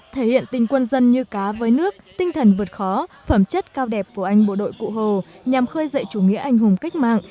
thể hiện tình quân dân như cá với nước tinh thần vượt khó phẩm chất cao đẹp của anh bộ đội cụ hồ nhằm khơi dậy chủ nghĩa anh hùng cách mạng